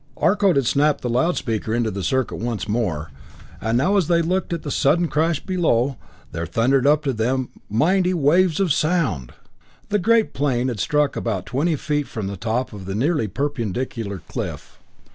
Arcot had snapped the loud speaker into the circuit once more, and now as they looked at the sudden crash below, there thundered up to them mighty waves of sound! The giant plane had struck about twenty feet from the top of a nearly perpendicular cliff.